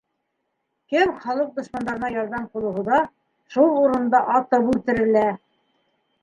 Кем халыҡ дошмандарына ярҙам ҡулы һуҙа, шул урынында атып үлтерелә!